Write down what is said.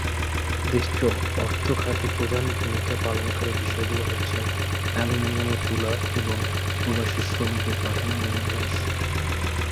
দেশটির অর্থ খাতের প্রধান ভূমিকা পালনকারী বিষয়গুলো হচ্ছে অ্যালুমিনিয়াম ও তুলা এবং প্রবাসী শ্রমিকদের পাঠানো রেমিট্যান্স।